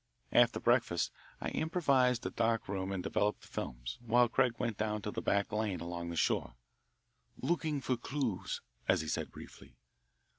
After breakfast I improvised a dark room and developed the films, while Craig went down the back lane along the shore "looking for clues," as he said briefly.